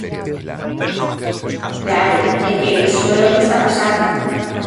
Claro, é que iso é o que está pasando.